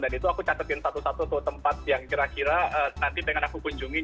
itu aku catetin satu satu tuh tempat yang kira kira nanti pengen aku kunjungi